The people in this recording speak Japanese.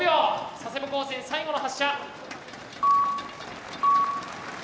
佐世保高専最後の発射。